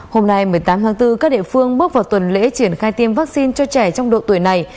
hôm nay một mươi tám tháng bốn các địa phương bước vào tuần lễ triển khai tiêm vaccine cho trẻ trong độ tuổi này